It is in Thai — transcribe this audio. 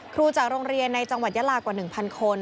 จากโรงเรียนในจังหวัดยาลากว่า๑๐๐คน